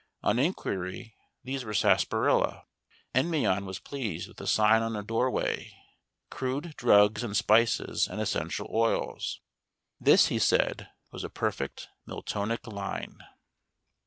On inquiry, these were sarsaparilla. Endymion was pleased with a sign on a doorway: "Crude drugs and spices and essential oils." This, he said, was a perfect Miltonic line.